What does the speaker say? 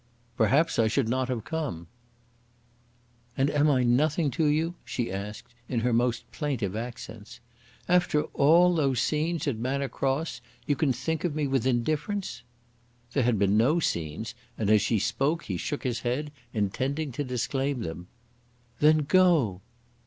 "Perhaps I should not have come." "And I am nothing to you?" she asked in her most plaintive accents. "After all those scenes at Manor Cross you can think of me with indifference?" There had been no scenes, and as she spoke he shook his head, intending to disclaim them. "Then go!"